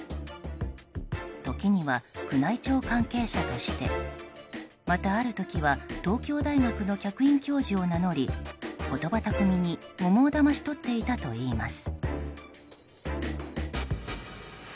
時には、宮内庁関係者としてまた、ある時は東京大学の客員教授を名乗り言葉巧みに桃をだまし取っていたといいます。